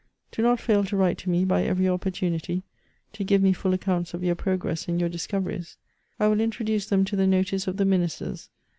Do not fail to write to me by every oppoitunity, to g^ve me full accounts of your progress and your discoveries ; I will introduce them to the notice of the ministers.